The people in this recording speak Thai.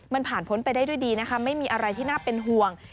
มันผ่านพ้นไปได้ด้วยดีนะคะไม่มีอะไรที่น่าเป็นห่วง